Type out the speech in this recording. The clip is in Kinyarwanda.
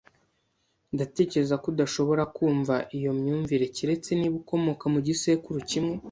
Ndatekereza ko udashobora kumva iyo myumvire keretse niba ukomoka mu gisekuru kimwe.